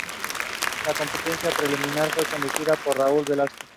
La Competencia Preliminar fue conducida por Raúl Velasco.